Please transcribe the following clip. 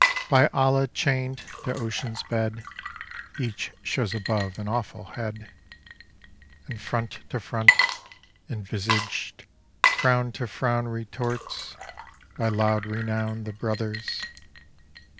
By Allah chain'd to Ocean's bed, Each shows above an awful head, And front to front, envisaged, frown To frown retorts—by loud renown The Brothers.